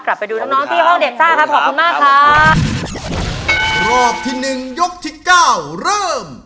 กลับไปดูน้องน้องที่ห้องเด็กซ่าครับขอบคุณมากครับ